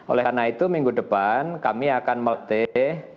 oleh karena itu minggu depan kami akan melatih